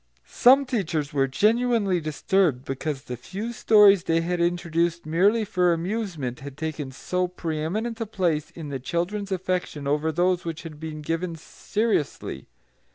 Some of the teachers were genuinely disturbed because the few stories they had introduced merely for amusement had taken so pre eminent a place in the children's affection over those which had been given seriously.